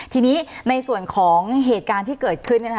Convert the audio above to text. ทีนี้ในส่วนของเหตุการณ์ที่เกิดขึ้น